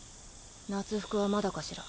夏服はまだかしら？